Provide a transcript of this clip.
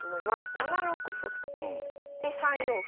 ７六歩。で３四歩。